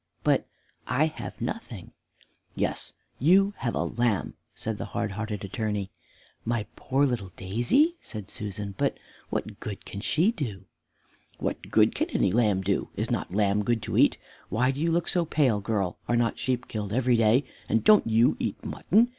but I have nothing." "Yes, you have a lamb," said the hard hearted Attorney. "My poor little Daisy!" said Susan; "but what good can she do?" "What good can any lamb do? Is not lamb good to eat? Why do you look so pale, girl? Are not sheep killed every day, and don't you eat mutton?